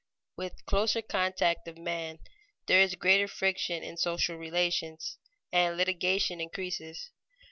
_ With closer contact of men there is greater friction in social relations, and litigation increases.